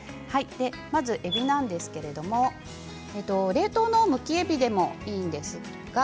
まず、えびなんですけれど冷凍のむきえびでもいいです。